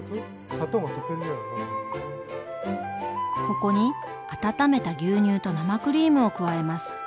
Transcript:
ここに温めた牛乳と生クリームを加えます。